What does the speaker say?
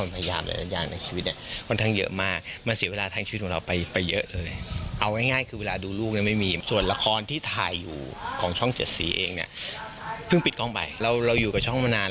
เพิ่งปิดกล้องไปเราอยู่กับช่องมานาน